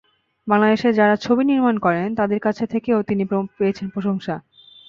বাংলাদেশে যাঁরা ছবি নির্মাণ করেন, তাঁদের কাছ থেকেও তিনি পেয়েছেন প্রশংসা।